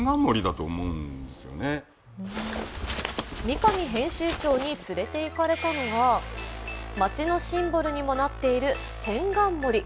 三上編集長に連れて行かれたのは、町のシンボルにもなっている千貫森。